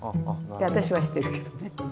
って私はしてるけどね。